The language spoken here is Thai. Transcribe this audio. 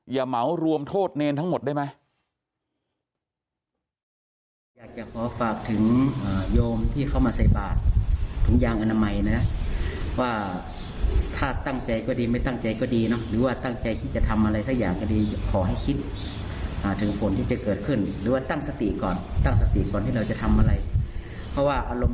เหมารวมโทษเนรทั้งหมดได้ไหม